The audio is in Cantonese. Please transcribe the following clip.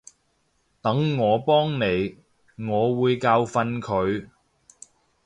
等我幫你，我會教訓佢